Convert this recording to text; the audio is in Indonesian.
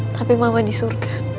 tapi mama di surga